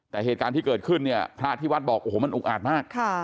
แต่เหตุการณ์ที่เกิดขึ้นเนี่ยพระที่วัดบอกโอ้โหมันอุกอาดมาก